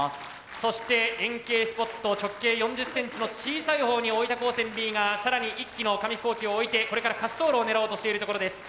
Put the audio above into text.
そして円形スポット直径４０ｃｍの小さいほうに大分高専Ｂが更に１機の紙飛行機を置いてこれから滑走路を狙おうとしているところです。